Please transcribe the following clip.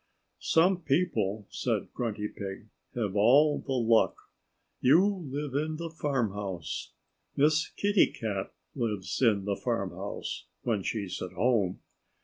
"Some people," said Grunty Pig, "have all the luck. You live in the farmhouse. Miss Kitty Cat lives in the farmhouse when she's at home.